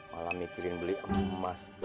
malah mikirin beli emas